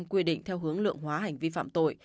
quy định theo hướng lượng hóa hành vi phạm tội